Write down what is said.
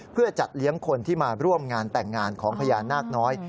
เพื่อจัดเลี้ยงคนที่มาร่วมงานแต่งงานของพญานาคน้อย